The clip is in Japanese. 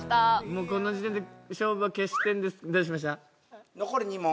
もうこの時点で勝負は決してるんですどうしました？